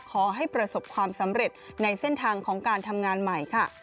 ขอให้ประสบความสำเร็จในเส้นทางของการทำงานใหม่ค่ะ